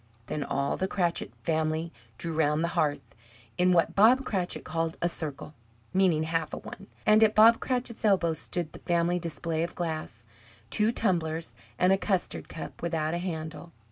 Then all the Cratchit family drew round the hearth in what Bob Cratchit called a circle, meaning half a one; and at Bob Cratchit's elbow stood the family display of glass two tumblers and a custard cup without a handle.